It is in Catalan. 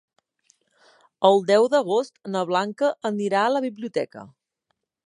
El deu d'agost na Blanca anirà a la biblioteca.